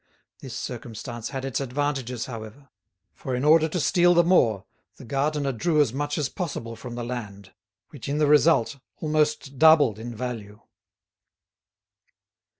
This circumstance had its advantages, however; for, in order to steal the more, the gardener drew as much as possible from the land, which in the result almost doubled in value.